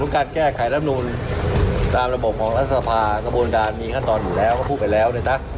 การแก้ไขร่น้ำนุนตามระบบของลักษณะภาคกระบวนการมีขั้นตอนอยู่แล้ว